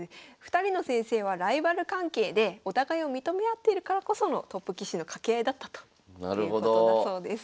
２人の先生はライバル関係でお互いを認め合っているからこそのトップ棋士の掛け合いだったということだそうです。